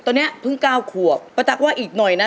ตอนนี้เพิ่งเก้าขวบป้าตั๊กว่าอีกหน่อยนะ